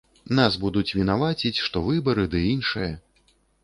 Нас будуць вінаваціць, што выбары ды іншае.